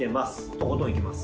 とことんいきます。